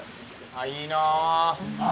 あいいな。